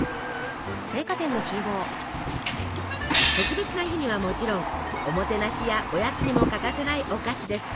特別な日にはもちろんおもてなしやおやつにも欠かせないお菓子です。